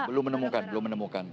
belum menemukan belum menemukan